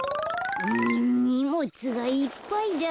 うんにもつがいっぱいだ。